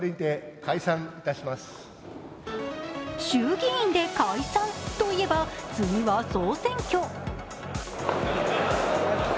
衆議院で解散と言えば次は総選挙。